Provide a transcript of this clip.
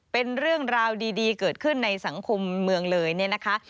เป็นเรื่องราวดีเกิดขึ้นในสังคมเมืองเลยเนี่ยนะคะ